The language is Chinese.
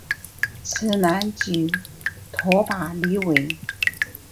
此男即拓跋力微。